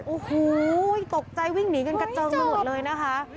โอ้โหตกใจวิ่งหนีกันกระเจิงไปหมดเลยนะคะ